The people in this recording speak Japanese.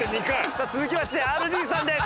さあ続きましてＲＧさんです。